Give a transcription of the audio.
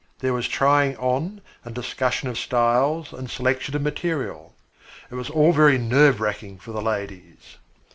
There was trying on and discussion of styles and selection of material. It was all very nerve racking for the ladies.